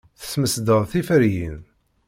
Tesmesdeḍ tiferyin.